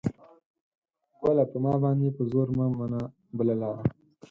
ګله ! په ما باندې په زور مه منه بله لاره